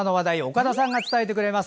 岡田さんが伝えてくれます。